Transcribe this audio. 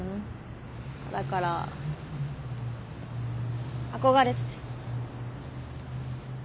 だから憧れてて。